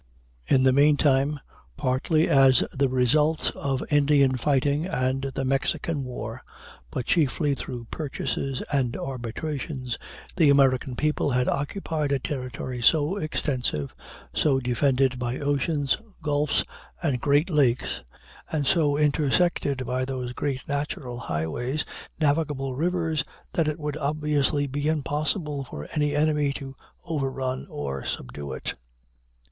In the meantime, partly as the results of Indian fighting and the Mexican war, but chiefly through purchases and arbitrations, the American people had acquired a territory so extensive, so defended by oceans, gulfs, and great lakes, and so intersected by those great natural highways, navigable rivers, that it would obviously be impossible for any enemy to overrun or subdue it.